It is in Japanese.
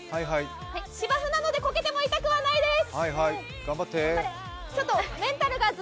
芝生なのでコケても痛くはないです。